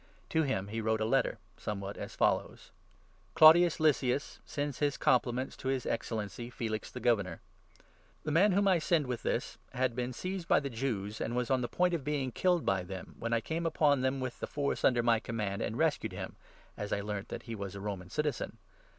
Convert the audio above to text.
To him he wrote a letter, 25 somewhat as follows —' Claudius Lysias sends his compliments to His Ex 26 cellency Felix the Governor. The man whom 27 I send with this had been seized by the Jews, and was on the point of being killed by them, when I came upon them with the force under my command, and rescued him, as I learnt that he was a Roman citizen.